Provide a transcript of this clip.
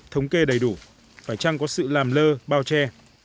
thống kê đầy đủ phải chăng có sự làm lơ bao che